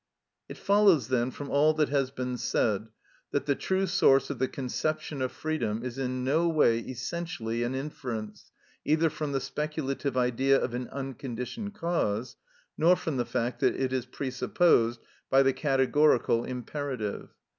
It follows, then, from all that has been said, that the true source of the conception of freedom is in no way essentially an inference, either from the speculative Idea of an unconditioned cause, nor from the fact that it is presupposed by the categorical imperative.